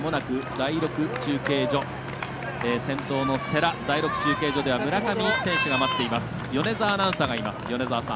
第６中継所では村上選手が待っています。